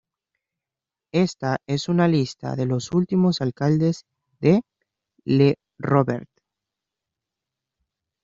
Esta es una lista de los últimos Alcaldes de "Le Robert".